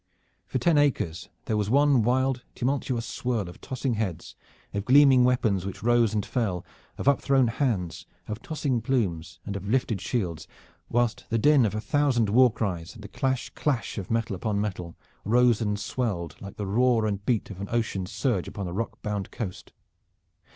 For ten acres there was one wild tumultuous swirl of tossing heads, of gleaming weapons which rose and fell, of upthrown hands, of tossing plumes and of lifted shields, whilst the din of a thousand war cries and the clash clash of metal upon metal rose and swelled like the roar and beat of an ocean surge upon a rock bound coast.